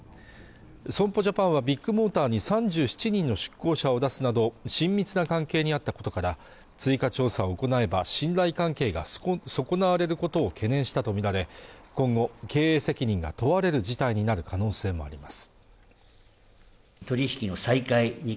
損保ジャパンはビッグモーターに３７人の出向者を出すなど親密な関係にあったことから追加調査を行えば信頼関係が損なわれることを懸念したとみられ今後、経営責任が問われる事態になる可能性もあります